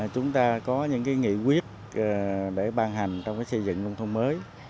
chúng ta có những nghị quyết để ban hành trong xây dựng nông thôn mới